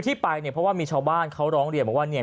ที่ไปเนี่ยมีชาวบ้านเขาร้องเหรียบว่าเนี่ย